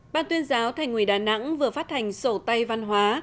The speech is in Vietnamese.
ban tuyên giáo thành ngụy đà nẵng vừa phát hành sổ tây văn hóa